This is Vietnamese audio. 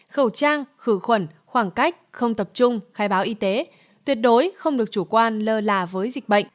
khẩu trang khử khuẩn khoảng cách không tập trung khai báo y tế tuyệt đối không được chủ quan lơ là với dịch bệnh